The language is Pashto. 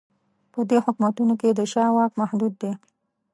په دې حکومتونو کې د شاه واک محدود دی.